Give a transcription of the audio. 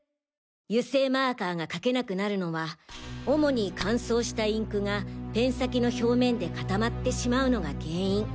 油性マーカーが書けなくなるのは主に乾燥したインクがペン先の表面で固まってしまうのが原因。